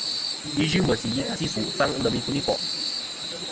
Yi yɨ meysi yi ka si ɨsu ɨkfaŋ ɨ lem ikuniko'.